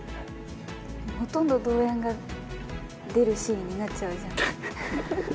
ほとんどどーやんが出るシーンになっちゃうじゃん。